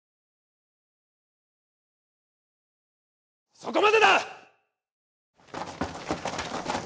そこまでだ！